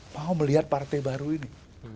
mau melihat partai baru ini